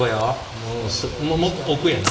もっと奥やな。